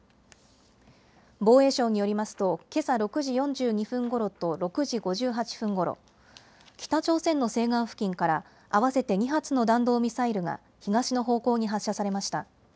防衛省によりますとけさ６時４２分ごろと６時５８分ごろ、北朝鮮の西岸付近から合わせて２発の弾道ミサイルが東の方向に発射されました。